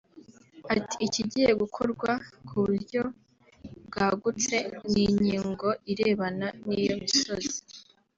Ati “Ikigiye gukorwa ku buryo bwagutse ni inyigo irebana n’iyo misozi